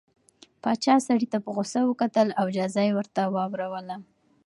پاچا سړي ته په غوسه وکتل او جزا یې ورته واوروله.